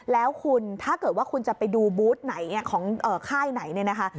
แล้วคุณถ้าเกิดว่าคุณจะไปดูบูธไหนของค่ายไหนเนี่ยนะคะ